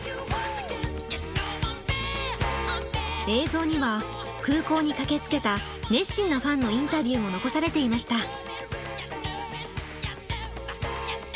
映像には空港に駆けつけた熱心なファンのインタビューも残されていました。